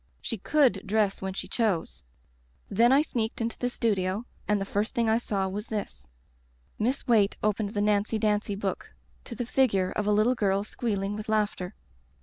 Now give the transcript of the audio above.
She could dress when she chose. "Then I sneaked into the studio and the first thing I saw was this" — Miss Waite opened the Nancy Dancy book to the figure of a little girl squealing with laughter.